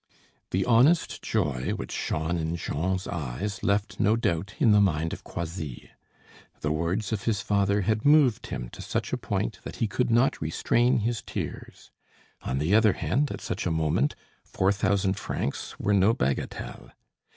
The honest joy which shone in Jean's eyes, left no doubt in the mind of Croisilles. The words of his father had moved him to such a point that he could not restrain his tears; on the other hand, at such a moment, four thousand francs were no bagatelle.